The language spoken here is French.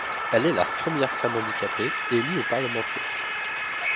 Elle est la première femme handicapée élue au parlement turc.